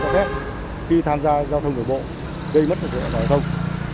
khi tham gia giao thông đổi bộ gây mất đội giao thông